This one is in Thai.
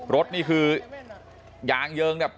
รถนี่คือยางเยิงแบบ